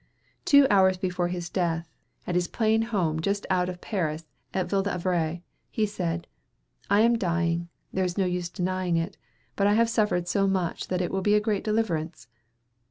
Two hours before his death, at his plain home just out of Paris at Ville d'Avray, he said, "I am dying; there is no use in denying it; but I have suffered so much it will be a great deliverance."